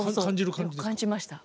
感じました。